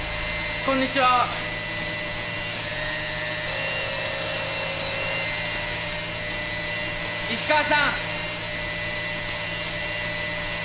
こんにちは石川さん！